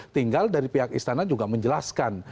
tinggal dari pihak istana juga menjelaskan